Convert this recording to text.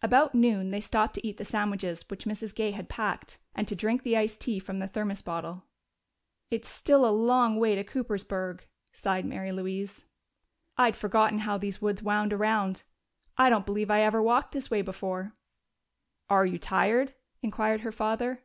About noon they stopped to eat the sandwiches which Mrs. Gay had packed and to drink the iced tea from the thermos bottle. "It's still a long walk to Coopersburg," sighed Mary Louise. "I'd forgotten how these woods wound around. I don't believe I ever walked this way before." "Are you tired?" inquired her father.